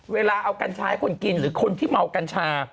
เวลาเอากัญชาให้คนกินหรือคนที่เมากัญชา